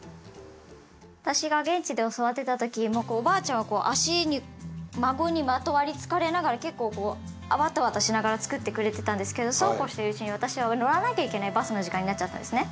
私が現地で教わってた時おばあちゃんは足に孫にまとわりつかれながら結構こうワタワタしながらつくってくれてたんですけどそうこうしてるうちに私は乗らなきゃいけないバスの時間になっちゃったんですね。